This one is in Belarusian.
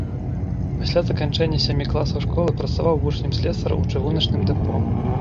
Пасля заканчэння сямі класаў школы працаваў вучнем слесара ў чыгуначным дэпо.